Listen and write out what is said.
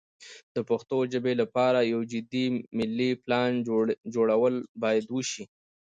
د پښتو ژبې لپاره یو جدي ملي پلان جوړول باید وشي.